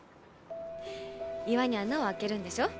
岩に穴を開けるんでしょ？